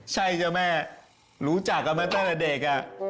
ใช่จ้ะแม่รู้จักกับมันแต่เด็ก